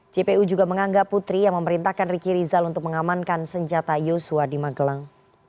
cpu juga menganggap putri yang memerintahkan ricky rizal untuk mengamankan senjata joshua di magelang